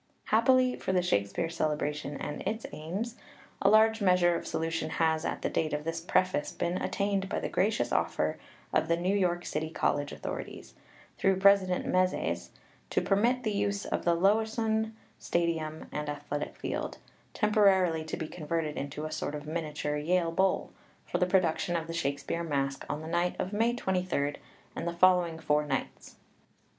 Happily for the Shakespeare Celebration and its aims, PREFACE xxi a large measure of solution has, at the date of this preface, been attained by the gracious offer of the New York City College authorities, through President Mezes, to permit the use of the Lewisohn Stadium and athletic field, temporarily to be converted into a sort of miniature Yale Bowl, for the production of the Shakespeare Masque on the night of May 23rd and the following four nights.